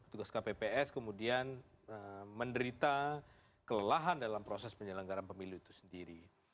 tugas kpps kemudian menderita kelelahan dalam proses penyelenggaraan pemilu itu sendiri